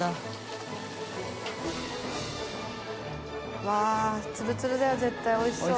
うわっつるつるだよ絶対おいしそう。